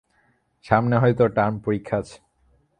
সামনে হয়তো টার্ম পরীক্ষা আছে।